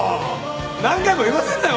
何回も言わせんなよ